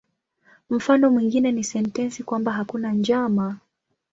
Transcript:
Mfano mwingine ni sentensi kwamba "hakuna njama".